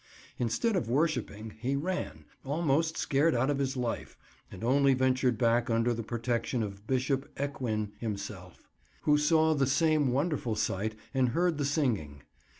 Instead of worshipping, he ran, almost scared out his life, and only ventured back under the protection of Bishop Ecgwin himself, who saw the same wonderful sight and heard the singing.